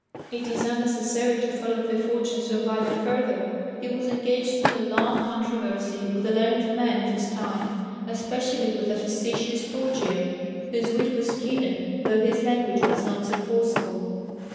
It is unnecessary to follow the fortunes of Valla further. He was engaged in a long controversy with the learned men of his time, especially with the facetious Poggio, whose wit was keener though his language was not so forcible.